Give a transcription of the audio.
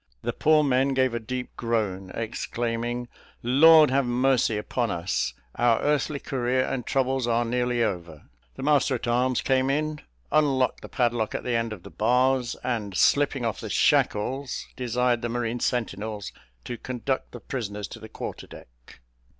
The poor men gave a deep groan, exclaiming, "Lord have mercy upon us! our earthly career and troubles are nearly over!" The master at arms came in, unlocked the padlock at the end of the bars, and, slipping off the shackles, desired the marine sentinels to conduct the prisoners to the quarter deck.